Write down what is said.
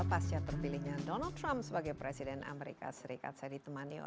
ada perasaan bahwa generasi seterusnya akan lebih kecil daripada generasi sebelumnya